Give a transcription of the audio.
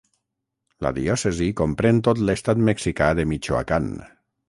La diòcesi comprèn tot l'estat mexicà de Michoacán.